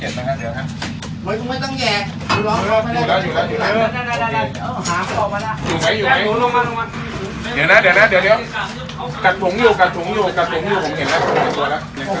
ไม่ต้องแยกอยู่แล้วอยู่แล้วอยู่แล้วอยู่แล้วอยู่แล้วอยู่แล้ว